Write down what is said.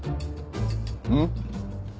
うん？